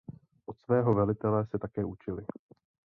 Od svého velitele se také učili.